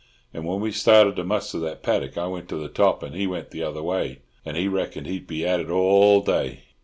And when we started to muster that paddock I went to the top, and he went the other way, and he reckoned to be at it all day.